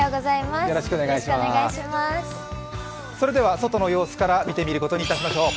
外の様子から見てみることにいたしましょう。